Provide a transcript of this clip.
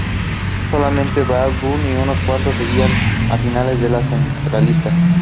Solamente Bradburn y unos cuantos seguían fieles a la causa centralista.